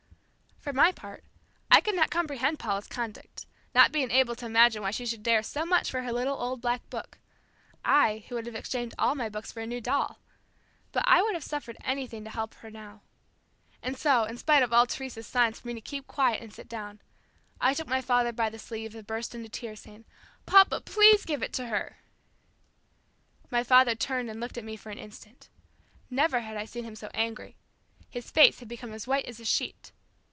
For my part, I could not comprehend Paula's conduct, not being able to imagine why she should dare so much for her little old black book I, who would have exchanged all my books for a new doll; but I would have suffered anything to help her now. And so in spite of all Teresa's signs for me to keep quiet and sit down, I took my father by the sleeve and burst into tears saying, "Papa, please give it to her." My father turned and looked at me for an instant. Never had I seen him so angry. His face had become as white as a sheet.